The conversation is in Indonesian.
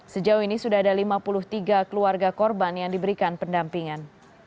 sejauh ini sudah ada lima puluh tiga keluarga korban yang diberikan pendampingan